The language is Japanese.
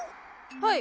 はい。